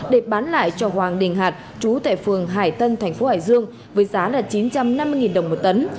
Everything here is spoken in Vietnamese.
để bán lại cho hoàng đình hạt chú tại phường hải tân thành phố hải dương với giá là chín trăm năm mươi đồng một tấn